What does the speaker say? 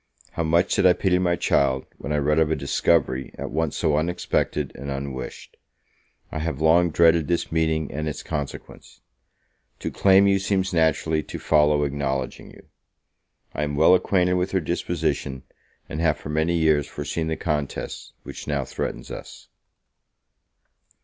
How much did I pity my child, when I read of a discovery at once so unexpected and unwished! I have long dreaded this meeting and its consequence; to claim you seems naturally to follow acknowledging you. I am well acquainted with her disposition, and have for many years foreseen the contest which now threatens us.